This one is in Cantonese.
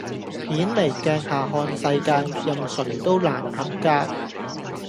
顯微鏡下看世界，任誰都難合格